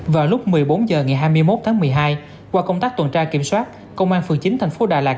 vào lúc một mươi bốn h ngày hai mươi một tháng một mươi hai qua công tác tuần tra kiểm soát công an phường chín thành phố đà lạt